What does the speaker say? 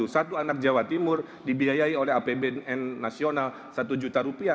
satu anak jawa timur dibiayai oleh apbn nasional satu juta rupiah